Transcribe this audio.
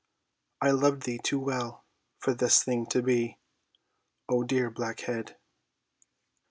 I loved thee too well for this thing to be, O dear black head!